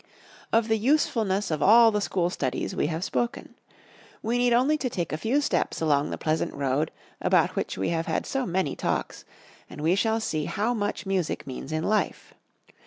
Of the usefulness of all the school studies we have spoken. We need only to take a few steps along the pleasant road, about which we have had so many Talks, and we shall see how much music means in life.